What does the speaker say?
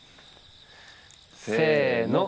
せの。